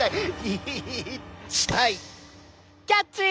キャッチ！